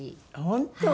本当？